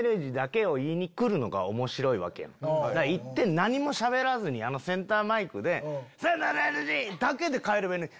行って何もしゃべらずにセンターマイクで『さよならエレジー』だけで帰ればいいのに。